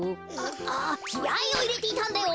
あきあいをいれていたんだよ。